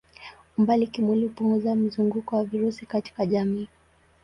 Umbali kimwili hupunguza mzunguko wa virusi katika jamii.